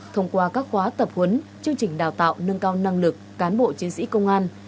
thông qua các khóa tập huấn chương trình đào tạo nâng cao năng lực cán bộ chiến sĩ công an